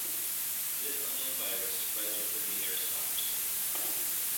This unknown virus spreads within the aristocracy.